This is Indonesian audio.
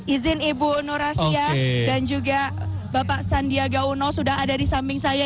izin ibu nur asia dan juga bapak sandiaga uno sudah ada di samping saya